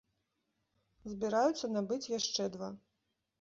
Збіраюцца набыць яшчэ два.